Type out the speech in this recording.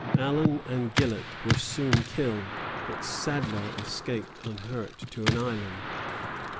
Allen and Gillet were soon killed, but Sadler escaped unhurt to an island.